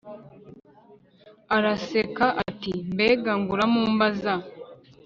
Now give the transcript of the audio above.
araseka ati"mbega nguramumbaza